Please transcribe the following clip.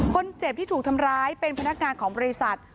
คนเจ็บที่ถูกทำร้ายเป็นพนักงานของบริษัท